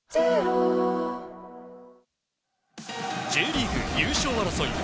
Ｊリーグ優勝争い